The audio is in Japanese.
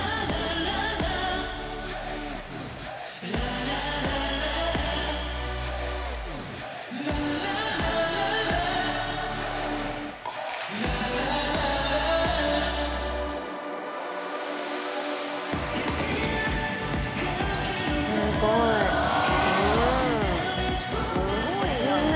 すごいな。